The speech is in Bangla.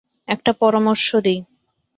একটা পরামর্শ দেই।